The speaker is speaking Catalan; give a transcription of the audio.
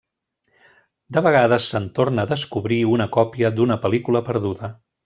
De vegades se'n torna a descobrir una còpia d'una pel·lícula perduda.